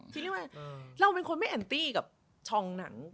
ชอบคำว่าหันมาจ้าง